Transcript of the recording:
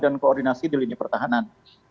dan koordinasi di lini pertahanan